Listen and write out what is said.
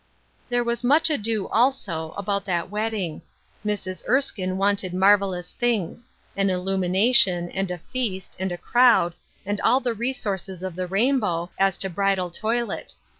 There was much ado, also, about that wed ding. Mrs. Erskine wanted marvelous things — an illumination, and a feast, and a crowd, and all the resources of the rain bow, as to bridal toilet.